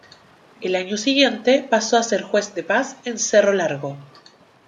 Al año siguiente pasó a ser Juez de Paz en Cerro Largo.